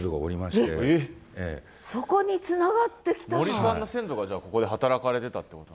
森さんの先祖がここで働かれてたってこと。